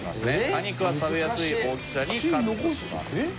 果肉は食べやすい大きさにカットします。